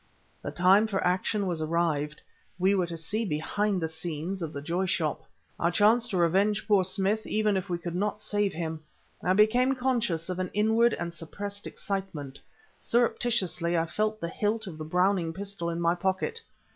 The time for action was arrived we were to see behind the scenes of the Joy Shop! Our chance to revenge poor Smith even if we could not save him. I became conscious of an inward and suppressed excitement; surreptitiously I felt the hilt of the Browning pistol in my pocket.